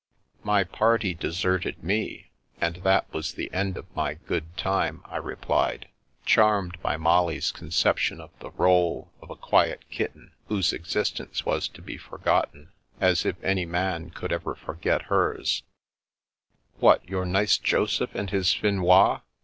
" My party deserted me, and that was the end of my * good time,' " I replied, charmed with Molly's conception of the role of a " quiet Kitten " whose ex istence was to be forgotten. As if any man could ever forget hers f " What, your nice Joseph and his Finois